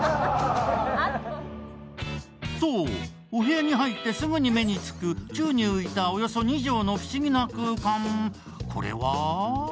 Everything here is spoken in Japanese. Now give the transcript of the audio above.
そう、お部屋に入ってすぐに目につく宙に浮いたおよそ２畳の不思議な空間。